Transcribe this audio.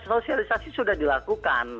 sosialisasi sudah dilakukan